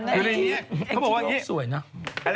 กำลังเป็นห้ามสึกระหว่างที่๒คนด้วย